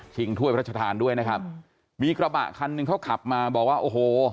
ถ้วยพระราชทานด้วยนะครับมีกระบะคันหนึ่งเขาขับมาบอกว่าโอ้โห